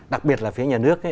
đặc biệt là phía nhà nước